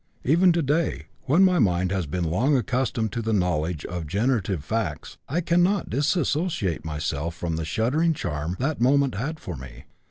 Even today, when my mind has been long accustomed to the knowledge of generative facts, I cannot dissociate myself from the shuddering charm that moment had for me.